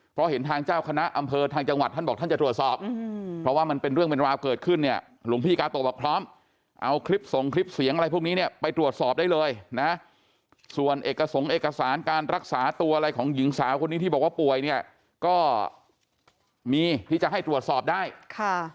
เพราะเห็นทางเจ้าคณะอำเภอทางจังหวัดท่านบอกท่านจะตรวจสอบเพราะว่ามันเป็นเรื่องเป็นราวเกิดขึ้นเนี่ยหลวงพี่กาโตบอกพร้อมเอาคลิปส่งคลิปเสียงอะไรพวกนี้เนี่ยไปตรวจสอบได้เลยนะส่วนเอกสงค์เอกสารการรักษาตัวอะไรของหญิงสาวคนนี้ที่บอกว่าป่วยเนี่ยก็มีที่จะให้ตรวจสอบได้ค่ะ